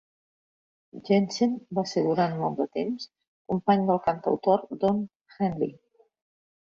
Jensen va ser durant molt de temps company del cantautor Don Henley.